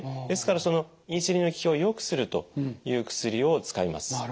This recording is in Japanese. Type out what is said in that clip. ですからそのインスリンの効きを良くするという薬を使います。